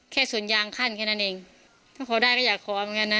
สวนยางขั้นแค่นั้นเองถ้าขอได้ก็อยากขอเหมือนกันนะ